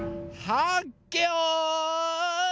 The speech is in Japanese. はっけよい。